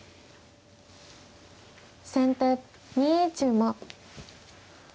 先手２一馬。